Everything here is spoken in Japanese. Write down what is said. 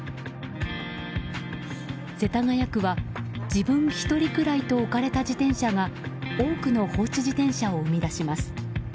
世田谷区は、自分１人くらいと置かれた自転車が多くの放置自転車を生み出します。